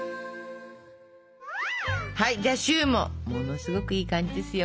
はいじゃあシューもものすごくいい感じですよ。